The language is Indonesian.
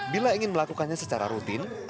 bila ingin melakukannya secara rutin